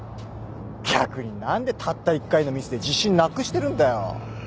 逆に何でたった一回のミスで自信なくしてるんだよ。